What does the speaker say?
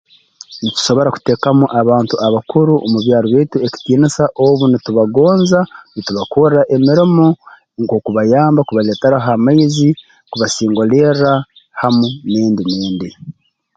Ntusobora kuteekamu abantu abakuru omu byaro byaitu ekitiinisa obu nitubagonza ntubakorra emirimo nk'okubayamba kubaleeteraho amaizi kubasingolerra hamu n'endi n'endi